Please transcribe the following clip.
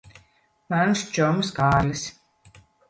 Mans čoms Kārlis.